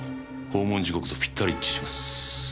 訪問時刻とぴったり一致します。